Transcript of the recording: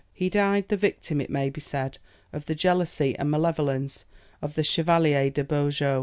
He died, the victim it may be said, of the jealousy and malevolence of the Chevalier de Beaujeu.